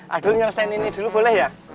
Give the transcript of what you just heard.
aduh nyelesain ini dulu boleh ya